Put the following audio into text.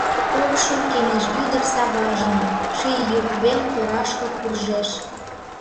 Ок шу кеҥеж-ӱдыр саважым, Ший йӱк вел торашке куржеш.